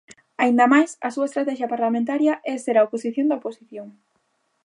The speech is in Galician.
Aínda máis, a súa estratexia parlamentaria é ser a oposición da oposición.